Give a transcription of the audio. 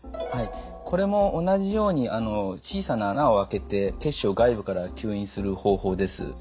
これも同じように小さな穴をあけて血腫を外部から吸引する方法です。